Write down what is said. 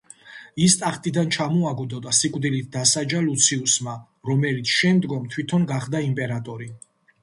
ის ტახტიდან ჩამოაგდო და სიკვდილით დასაჯა ლუციუსმა, რომელიც შემდგომ თვითონ გახდა იმპერატორი.